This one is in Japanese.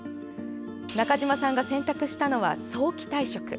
中島さんが選択したのは早期退職。